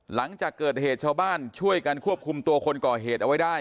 หลังจากเกิดเหตุชาวบ้านช่วยกันควบคุมตัวคนก่อเหตุเอาไว้ได้